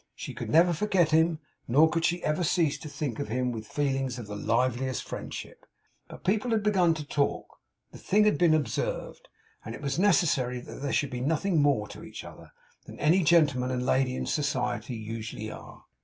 She never could forget him, nor could she ever cease to think of him with feelings of the liveliest friendship, but people had begun to talk, the thing had been observed, and it was necessary that they should be nothing more to each other, than any gentleman and lady in society usually are.